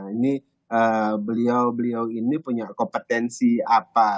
ini beliau beliau ini punya kompetensi apa